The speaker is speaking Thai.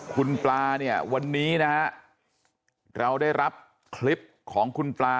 คุณปลาเนี่ยวันนี้นะฮะเราได้รับคลิปของคุณปลา